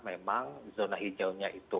memang zona hidau itu